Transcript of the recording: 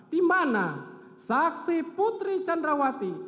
di mana saksi putri candrawati